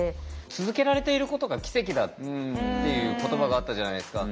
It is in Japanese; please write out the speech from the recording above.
続けられていることが奇跡だっていう言葉があったじゃないですか。